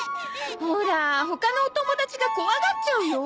ほら他のお友達が怖がっちゃうよ。